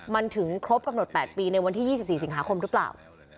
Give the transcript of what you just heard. มันถึงครบกำหนด๘ปีในวันที่๒๔สิงหาคมหรือเปล่า